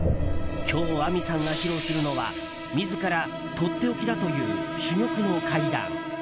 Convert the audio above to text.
今日、ぁみさんが披露するのは自ら、とっておきだという珠玉の怪談。